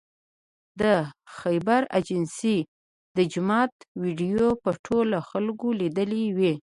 د خیبر ایجنسۍ د جومات ویدیو به ټولو خلکو لیدلې وي